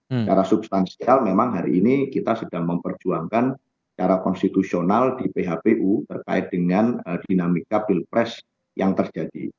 secara substansial memang hari ini kita sedang memperjuangkan secara konstitusional di phpu terkait dengan dinamika pilpres yang terjadi